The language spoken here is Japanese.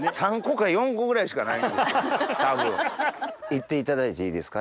いっていただいていいですか？